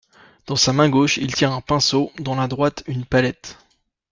Dans sa main gauche, il tient un pinceau, dans la droite, une palette.